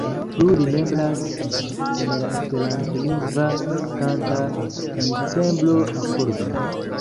Plu li membras en la esperantlingva kanta ensemblo Akordo.